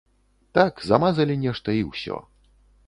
Так, замазалі нешта, і ўсё.